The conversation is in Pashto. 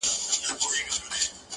• زما ځوانمرگ وماته وايي.